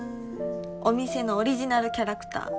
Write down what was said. お店のオリジナルキャラクター。